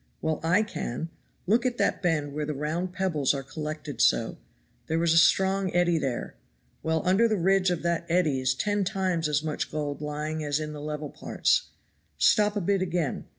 Well, I can look at that bend where the round pebbles are collected so; there was a strong eddy there. Well, under the ridge of that eddy is ten times as much gold lying as in the level parts. Stop a bit again.